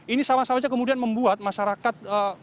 ini sama sama saja kemudian membuat masyarakat